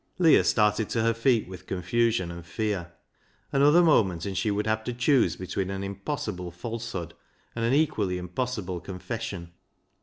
Leah started to her feet with confusion and fear. Another moment and she would have to choose between an impossible falsehood and an equally impossible confession.